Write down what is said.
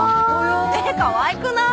えっかわいくない？